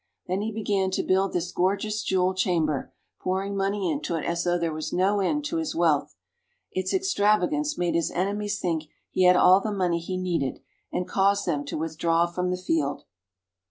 Then he began to build this gorgeous jewel chamber, pouring money into it as though there was no end to his wealth. Its extravagance made his enemies think he had all the money he needed, and caused them to withdraw from the field.